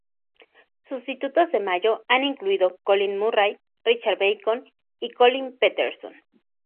Sustitutos de Mayo han incluido Colin Murray, Richard Bacon y Colin Paterson.